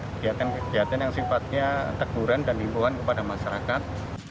kegiatan kegiatan yang sifatnya teguran dan imbauan kepada masyarakat